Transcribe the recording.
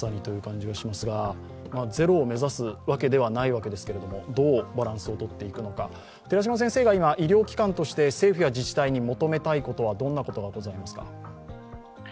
ゼロを目指すわけではないですけれど、どうバランスをとっていくのか今、医療機関として政府や自治体に求めたいことはどんなことがございますか？